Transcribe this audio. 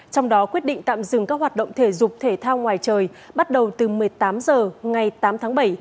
trong đó quyết định tạm dừng các hoạt động thể dục thể thao ngoài trời bắt đầu từ một mươi tám h ngày tám tháng bảy